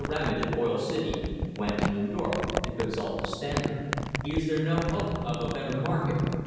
Ramage of Oil City, went to New York to consult the Standard. Is there no hope of a better market?